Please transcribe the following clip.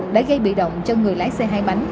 đã gây bị động cho người lái xe hai bánh